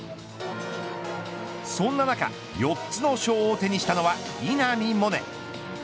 そんな中、４つの賞を手にしたのは稲見萌寧。